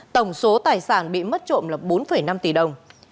tổng số tài sản bị mất trộm là bốn năm tỷ đồng